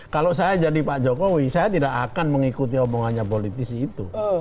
kalau saya jadi pak jokowi saya tidak akan mengikuti omongannya politisi itu